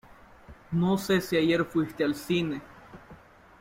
No sé si ayer fuiste al cine.